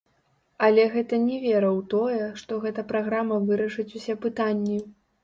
Але гэта не вера ў тое, што гэта праграма вырашыць усе пытанні.